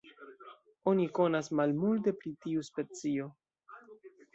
Oni konas malmulte pri tiu specio.